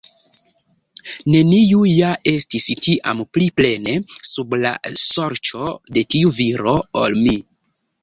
Neniu ja estis tiam pli plene sub la sorĉo de tiu viro, ol mi.